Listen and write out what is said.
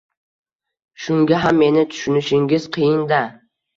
Shunga ham meni tushunishingiz qiyin-da